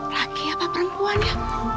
laki apa perempuannya